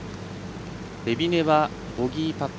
海老根はボギーパット。